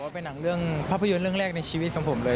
เป็นหนังเรื่องภาพยนตร์เรื่องแรกในชีวิตของผมเลย